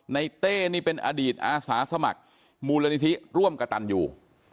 เต้นี่เป็นอดีตอาสาสมัครมูลนิธิร่วมกระตันอยู่